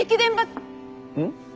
うん？